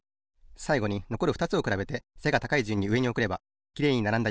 さいごにのこるふたつをくらべて背が高いじゅんにうえにおくればきれいにならんだ